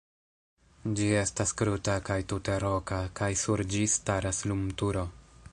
Ĝi estas kruta kaj tute roka kaj sur ĝi staras lumturo.